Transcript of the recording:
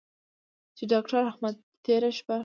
چې داکتر احمد تېره شپه